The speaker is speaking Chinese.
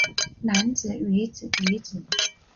男子女子女子